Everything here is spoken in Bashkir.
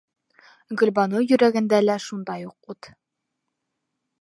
Гөлбаныу йөрәгендә лә шундай уҡ ут.